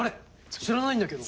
知らないんだけど。